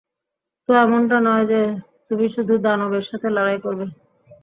তো এমনটা নয় যে তুমি শুধু দানবের সাথে লড়াই করবে।